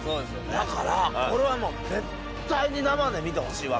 「だからこれは絶対に生で見てほしいわけ」